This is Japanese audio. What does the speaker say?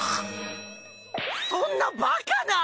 そんなバカな！